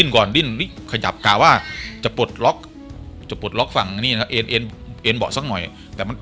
ก่อนค่ะว่าจะปลดล็อกฝั่งนี้เอนเอนบอสซักหน่อยแต่มัน